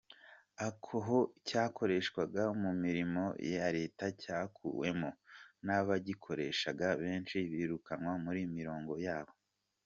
Aho cyakoreshwaga mu mirimo ya leta cyakuwemo n’ abagikoreshaga benshi birukanwa mu mirimo yabo.